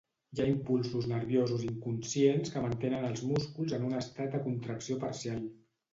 Hi ha impulsos nerviosos inconscients que mantenen els músculs en un estat de contracció parcial.